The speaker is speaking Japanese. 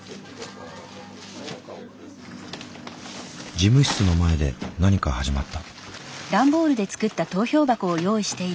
事務室の前で何か始まった。